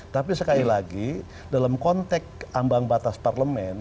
tapi sekali lagi dalam konteks ambang batas parlemen